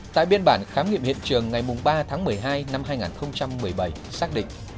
tại biên bản khám nghiệm hiện trường ngày ba tháng một mươi hai năm hai nghìn một mươi bảy xác định